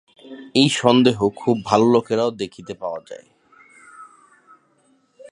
এই সন্দেহ খুব ভাল লোকেরও দেখিতে পাওয়া যায়।